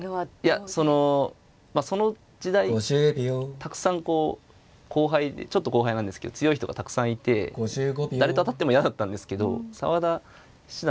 いやそのその時代たくさんこうちょっと後輩なんですけど強い人がたくさんいて誰と当たっても嫌だったんですけど澤田七段